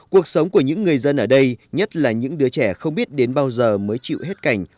cuộc sống của những người dân ở đây nhất là những đứa trẻ không biết đến bao giờ mới chịu hết cảnh